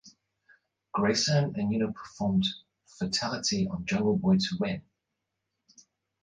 Grayson and Uno performed Fatality on Jungle Boy to win.